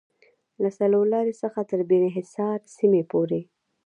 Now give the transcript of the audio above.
له څلورلارې څخه تر بیني حصار سیمې پورې